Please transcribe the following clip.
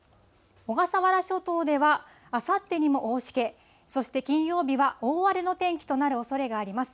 小笠原諸島では、あさってにも大しけ、そして金曜日は大荒れの天気となるおそれがあります。